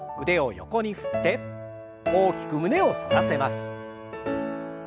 腕を横に振って大きく胸を反らせます。